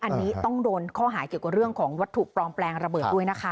อันนี้ต้องโดนข้อหาเกี่ยวกับเรื่องของวัตถุปลอมแปลงระเบิดด้วยนะคะ